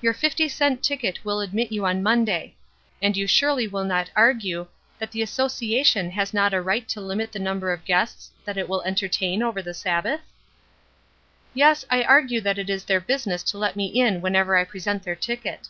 Your fifty cent ticket will admit you on Monday. And you surely will not argue that the Association has not a right to limit the number of guests that it will entertain over the Sabbath?" "Yes, I argue that it is their business to let me in whenever I present their ticket."